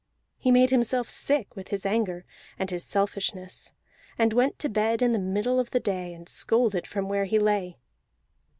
He made himself sick with his anger and his selfishness, and went to bed in the middle of the day, and scolded from where he lay.